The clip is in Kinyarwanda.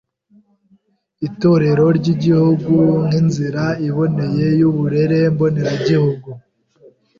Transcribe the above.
Itorero ry’Igihugu nk’inzira iboneye y’uburere mboneragihugu,